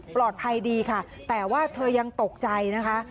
ปลอดภัยดีค่ะแต่ว่าเธอยังตกใจนะคะ